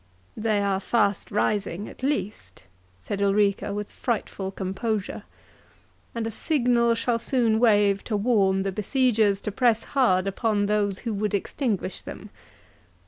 "They are fast rising at least," said Ulrica, with frightful composure; "and a signal shall soon wave to warn the besiegers to press hard upon those who would extinguish them.